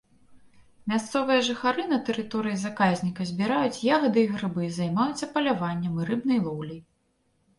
Мясцовыя жыхары на тэрыторыі заказніка збіраюць ягады і грыбы, займаюцца паляваннем і рыбнай лоўляй.